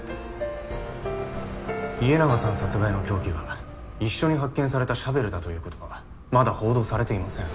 家長さん殺害の凶器が一緒に発見されたシャベルだということはまだ報道されていません。